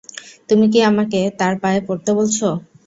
তুমি কি আমাকে তার পায়ে পড়তে বলছ?